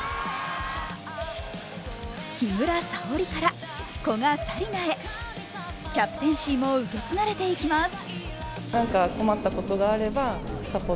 木村沙織から古賀紗理那へキャプテンシーも受け継がれていきます。